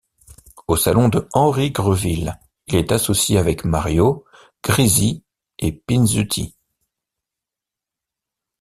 Au salon de Henry Greville il est associé avec Mario, Grisi et Pinsuti.